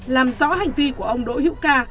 làm rõ hành vi của ông đỗ hiệu ca